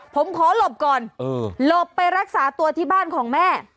ผมขอหลบก่อนหลบไปรักษาตัวที่บ้านของแม่